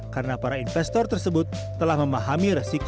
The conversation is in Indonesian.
karena para investor tersebut tidak mengingatkan keinginan mereka